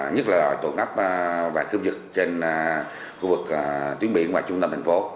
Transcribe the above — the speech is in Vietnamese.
nhất là loại tội ngắp và cướp dựt trên khu vực tuyến biển và trung tâm thành phố